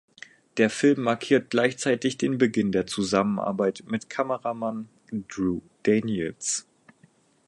Der Film markiert gleichzeitig den Beginn der Zusammenarbeit mit Kameramann Drew Daniels.